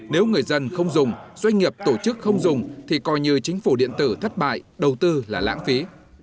nếu người dân không dùng doanh nghiệp tổ chức không dùng thì coi như chính phủ điện tử thất bại đầu tư là lãng phí